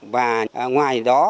và ngoài đó